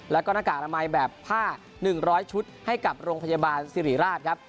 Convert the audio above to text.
แล้วก็หน้ากากอนามัยแบบผ้า๑๐๐ชุดให้กับโรงพยาบาลสิริราชครับ